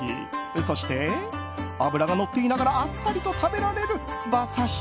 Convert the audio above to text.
そして脂がのっていながらあっさりと食べられる馬刺し。